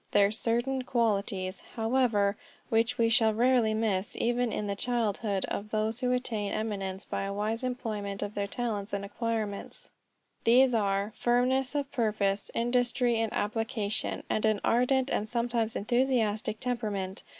There are certain qualities, however, which we shall rarely miss even in the childhood of those who attain eminence by a wise employment of their talents and acquirements. These are: firmness of purpose, industry and application, and an ardent, and sometimes enthusiastic temperament.